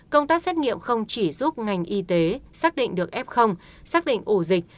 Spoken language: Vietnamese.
công tác xét nghiệm không chỉ giúp ngành y tế xác định được f xác định ổ dịch